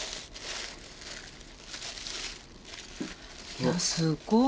いやすっごい。